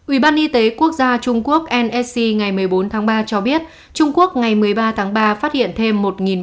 ubnd quốc gia trung quốc nsc ngày một mươi bốn tháng ba cho biết trung quốc ngày một mươi ba tháng ba phát hiện thêm